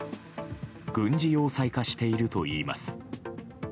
軍事要塞化しているといいます。